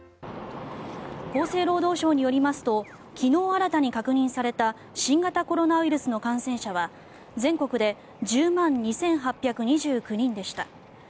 厚生労働省によりますと昨日新たに確認された新型コロナウイルスの感染者は全国で１０万２８２９人でした。